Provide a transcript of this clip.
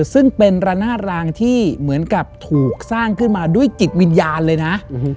ซึ่งเป็นระนาดรางที่เหมือนกับถูกสร้างขึ้นมาด้วยจิตวิญญาณเลยนะ